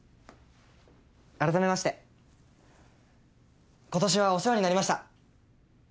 あらためまして今年はお世話になりました。